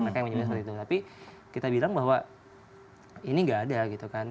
mereka yang menyebutnya seperti itu tapi kita bilang bahwa ini gak ada gitu kan